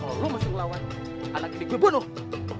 kalau lo mau ngelawan anak gini gue bunuh